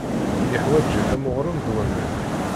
Myeḥwaǧen am uɣṛum d waman.